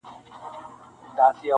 • لمر لوېدلی وو هوا تیاره کېدله -